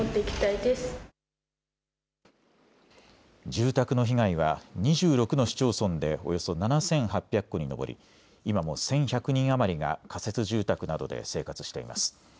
住宅の被害は２６の市町村でおよそ７８００戸に上り今も１１００人余りが仮設住宅などで生活しています。